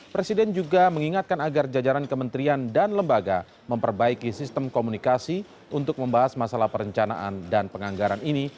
presiden juga mengingatkan agar jajaran kementerian dan lembaga memperbaiki sistem komunikasi untuk membahas masalah perencanaan dan penganggaran ini